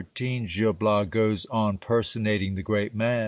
— Gil Bias goes on personating the great man.